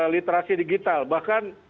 literasi digital bahkan